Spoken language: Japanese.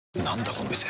この店。